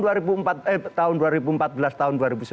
tahun dua ribu empat belas tahun dua ribu sembilan belas